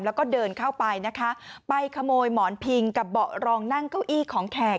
แล้วก็เดินเข้าไปนะคะไปขโมยหมอนพิงกับเบาะรองนั่งเก้าอี้ของแขก